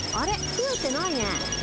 ふえてないね。